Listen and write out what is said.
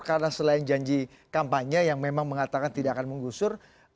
karena selain janji kampanye yang memang mengatakan tidak akan menggusur